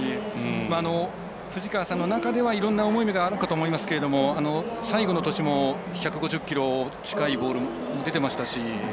藤川さんの中ではいろんな思いがあるかと思いますが最後の年も１５０キロ近いボールも出てましたし。